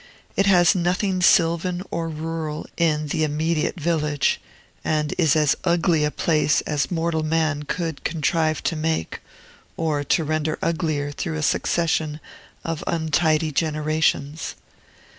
It has nothing sylvan or rural in the immediate village, and is as ugly a place as mortal man could contrive to make, or to render uglier through a succession of untidy generations.